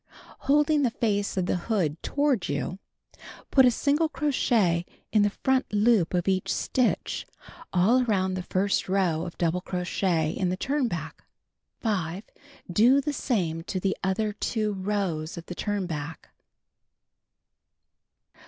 Ilokling the face of the hood toward you, put a single crochet in the front loop of each stitch all around the first row of doubh* crochet in the turn back. 5. Do the same to the other 2 rows of the turn back.